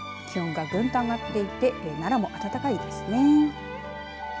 気温が、ぐんと上がっていて奈良も暖かいですね。